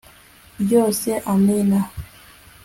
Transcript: ryose amina